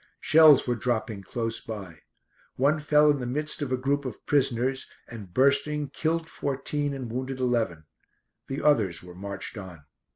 Shells were dropping close by. One fell in the midst of a group of prisoners and, bursting, killed fourteen and wounded eleven. The others were marched on.